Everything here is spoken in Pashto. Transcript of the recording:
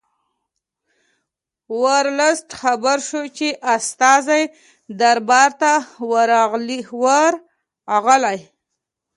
ورلسټ خبر شو چې استازي دربار ته ورغلي.